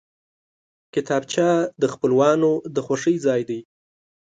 کتابچه د خپلوانو د خوښۍ ځای دی